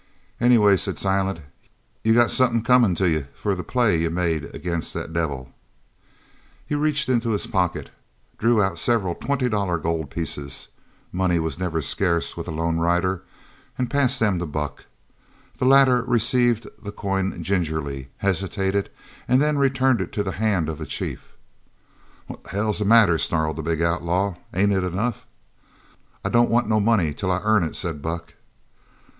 "Anyway," said Silent, "you got somethin' comin' to you for the play you made agin that devil." He reached into his pocket, drew out several twenty dollar gold pieces (money was never scarce with a lone rider) and passed them to Buck. The latter received the coin gingerly, hesitated, and then returned it to the hand of the chief. "What the hell's the matter?" snarled the big outlaw. "Ain't it enough?" "I don't want no money till I earn it," said Buck.